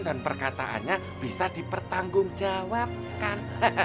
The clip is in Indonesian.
dan perkataannya bisa dipertanggungjawabkan